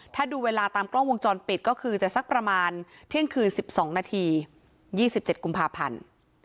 ถ้าดูเวลาตามกล้องวงจรปิดก็คือจะสักประมาณเที่ยงคืน๑๒นาที๒๗กุมภาพันธ์